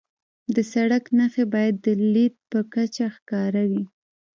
د سړک نښې باید د لید په کچه ښکاره وي.